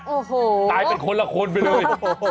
โอ้โหกลายเป็นคนละคนไปเลย